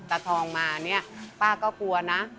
ตาทองมาเนี่ยป้าก็กลัวนะ